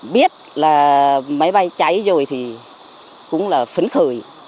biết là máy bay cháy rồi thì cũng là phấn khởi